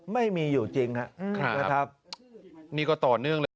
ไม่มีอยู่จริงครับนะครับนี่ก็ต่อเนื่องเลย